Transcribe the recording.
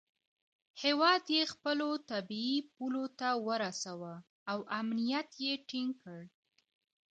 هیواد یې خپلو طبیعي پولو ته ورساوه او امنیت یې ټینګ کړ.